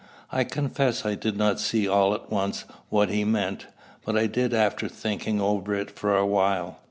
I confess I did not see all at once what he meant; but I did after thinking over it for a while.